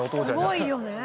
すごいよね。